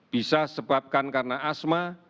bisa sebabkan karena asma